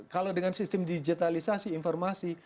kalau dengan sistem digitalisasi informasi